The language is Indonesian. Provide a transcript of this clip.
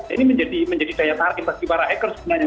ini menjadi daya tarik bagi para hacker sebenarnya